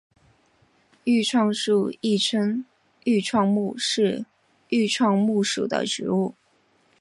愈创树亦称愈创木是愈创木属的植物。